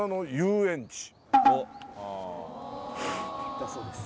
だそうです。